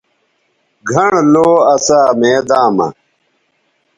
گھنڑ لو اسا میداں مہ